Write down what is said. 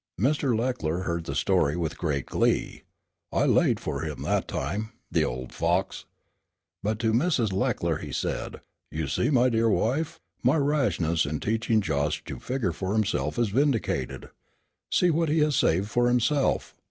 Mr. Leckler heard the story with great glee. "I laid for him that time the old fox." But to Mrs. Leckler he said: "You see, my dear wife, my rashness in teaching Josh to figure for himself is vindicated. See what he has saved for himself."